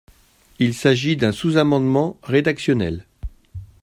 Il s’agit d’un sous-amendement rédactionnel.